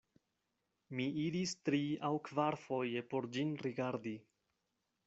Mi iris tri-aŭ-kvarfoje por ĝin rigardi.